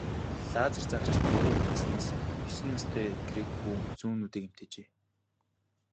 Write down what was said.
Лазер заагчийг буруу хэрэглэснээс есөн настай грек хүү зүүн нүдээ гэмтээжээ.